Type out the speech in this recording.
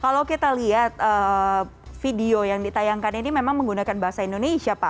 kalau kita lihat video yang ditayangkan ini memang menggunakan bahasa indonesia pak